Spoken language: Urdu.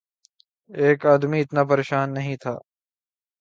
ایک آدمی اتنا پریشان نہیں تھا۔